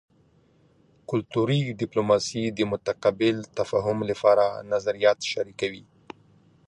کلتوري ډیپلوماسي د متقابل تفاهم لپاره نظریات شریکوي